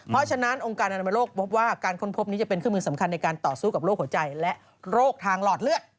เพราะฉะนั้นองค์การอนามโลกพบว่าการค้นพบนี้จะเป็นเครื่องมือสำคัญในการต่อสู้กับโรคหัวใจและโรคทางหลอดเลือด